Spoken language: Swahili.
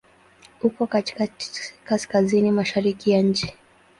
Uko katika Kaskazini mashariki ya nchi.